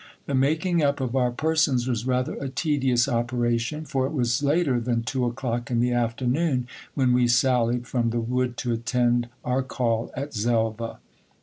The making up of our persons was rather a tedious operation ; fc r it was later than two o'clock in the afternoon when we sallied from the wood to attend our call at Xelva.